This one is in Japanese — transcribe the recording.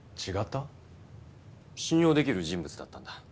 信用できる人物だったんだ。